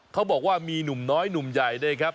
เขาบอกว่ามีนุ่มน้อยใหญ่ได้ครับ